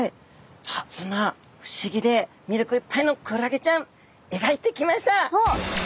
さあそんな不思議でみりょくいっぱいのクラゲちゃんえがいてきました！